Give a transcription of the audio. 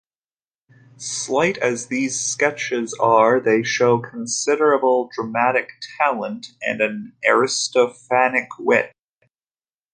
Slight as these sketches are, they show considerable dramatic talent and an Aristophanic wit.